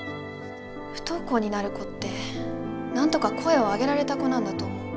不登校になる子ってなんとか声を上げられた子なんだと思う。